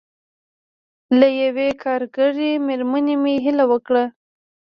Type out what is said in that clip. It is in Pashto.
له یوې کارګرې مېرمنې مې هیله وکړه.